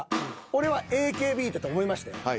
俺はＡＫＢだと思いましたよ。